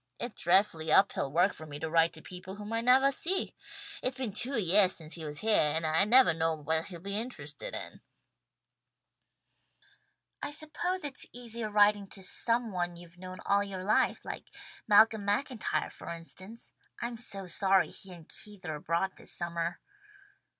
It's dreadfully uphill work for me to write to people whom I nevah see. It's been two yeahs since he was heah, and I nevah know what he'll be interested in." "I suppose it's easier writing to some one you've known all your life, like Malcolm MacIntyre for instance. I'm so sorry he and Keith are abroad this summer."